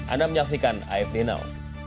anda menyaksikan afd now